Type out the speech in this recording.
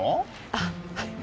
あっはい。